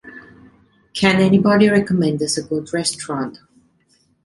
Can anybody recommend us a good restaurant?